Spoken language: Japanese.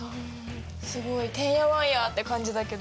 すごいてんやわんやって感じだけど。